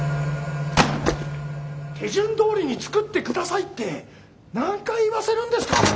手順書どおりに作って下さいって何回言わせるんですか？